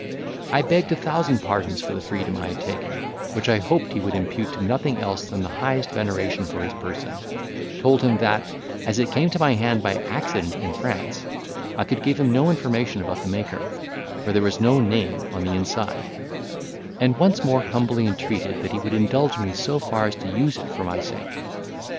I begged a thousand pardons for the freedom I had taken, which I hoped he would impute to nothing else than the highest veneration for his person—told him, that, as it came to my hand by accident in France, I could give him no information about the maker, for there was no name on the inside; and once more humbly entreated that he would indulge me so far as to use it for my sake.